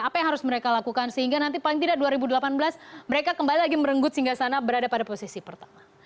apa yang harus mereka lakukan sehingga nanti paling tidak dua ribu delapan belas mereka kembali lagi merenggut sehingga sana berada pada posisi pertama